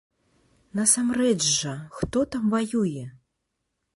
Насамрэч жа, хто там ваюе?